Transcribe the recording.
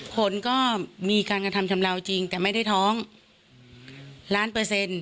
คนก็มีการกระทำชำราวจริงแต่ไม่ได้ท้องล้านเปอร์เซ็นต์